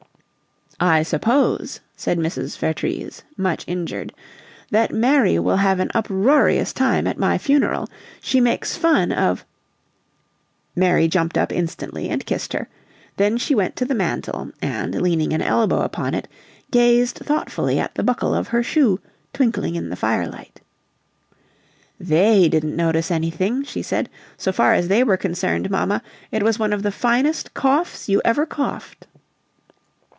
"I suppose," said Mrs. Vertrees, much injured, "that Mary will have an uproarious time at my funeral. She makes fun of " Mary jumped up instantly and kissed her; then she went to the mantel and, leaning an elbow upon it, gazed thoughtfully at the buckle of her shoe, twinkling in the firelight. "THEY didn't notice anything," she said. "So far as they were concerned, mamma, it was one of the finest coughs you ever coughed."